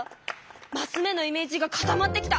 マス目のイメージが固まってきた！